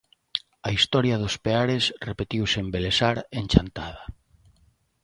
A historia dos Peares repetiuse en Belesar en Chantada.